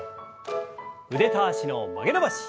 腕と脚の曲げ伸ばし。